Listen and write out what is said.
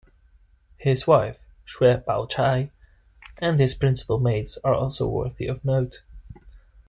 His wife Xue Baochai and his principal maids are also worthy of note.